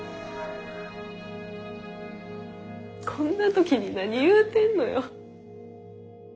こんな時に何言うてんのよ。